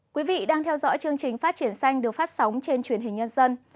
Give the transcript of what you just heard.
quý vị đang theo dõi chương trình phát triển xanh được phát sóng trên truyền hình nhân dân